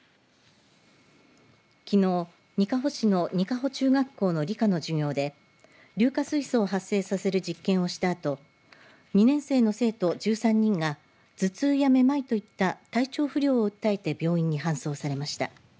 きのう、にかほ市の仁賀保中学校の理科の授業で硫化水素を発生させる実験をしたあと２年生の生徒１３人が頭痛やめまいといった体調不良を訴えて病院に搬送されました。